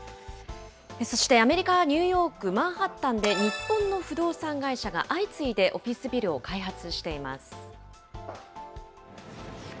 そしてアメリカ・ニューヨーク・マンハッタンで日本の不動産会社が相次いでオフィスビルを開発しています。